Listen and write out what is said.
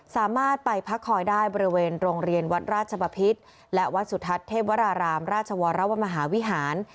สามารถไปพักคอยได้บริเวณโรงเรียนวัดราชบพิษและวัดสุทัศน์เทพวรารามราชวรมหาวิหาร